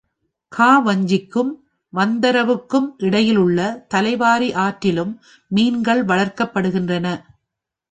காவஞ்சிக்கும், வந்தரவு க்கும் இடையிலுள்ள தலைவாரி ஆற்றிலும் மீன்கள் வளர்க்கப்படுகின்றன.